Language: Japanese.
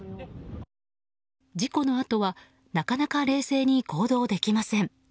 事故のあとはなかなか冷静に行動できません。